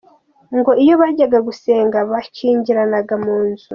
Ngo iyo bajyaga gusenga bikingiranaga mu nzu.